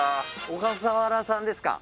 小笠原さんですか？